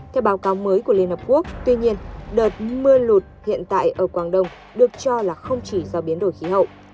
theo báo cáo mới của liên hợp quốc tuy nhiên đợt mưa lụt hiện tại ở quảng đông được cho là không chỉ do biến đổi khí hậu